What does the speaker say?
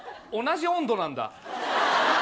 同じ温度なんだ。